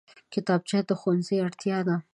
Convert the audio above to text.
کتابچه د ښوونځي اړتیا ده